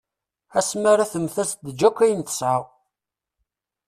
Asma ara temmet as-d-teǧǧ akk ayen tesɛa.